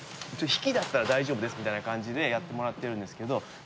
引きだったら大丈夫ですみたいな感じでやってもらってるんですけど。